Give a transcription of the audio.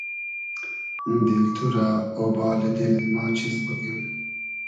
دیل تو رۂ اۉبالی دیل ما چیز بوگیم